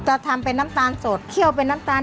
จะทำเป็นน้ำตาลสดเคี่ยวเป็นน้ำตาล